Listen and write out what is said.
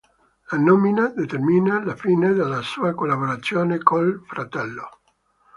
La nomina determina la fine della sua collaborazione col fratello.